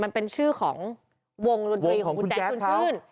มันเป็นชื่อของวงรวมธรีของคุณแจ๊สชวนชื่น